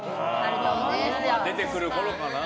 出てくるころかな。